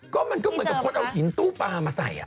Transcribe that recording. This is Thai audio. ก็มันก็เหมือนกับคนเอาหินตู้ปลามาใส่